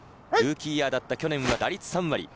ルーキーイヤーだった去年は打率３割。